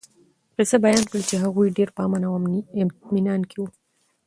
قصّه بيان کړي چې هغوي ډير په امن او اطمنان کي وو